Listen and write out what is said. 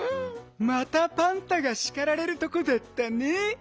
またパンタがしかられるとこだったね。